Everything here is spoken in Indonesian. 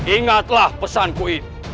ingatlah pesanku ini